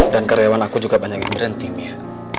dan karyawan aku juga banyak yang merhenti mia